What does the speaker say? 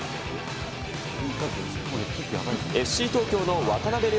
ＦＣ東京の渡邊凌